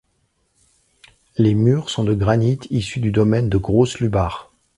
Les murs sont de granite issu du domaine de Groß Lübars.